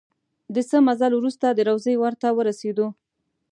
د څه مزل وروسته د روضې ور ته ورسېدو.